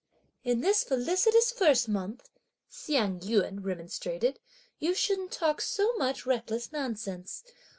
"In this felicitous firstmonth," Hsiang yün remonstrated, "you shouldn't talk so much reckless nonsense!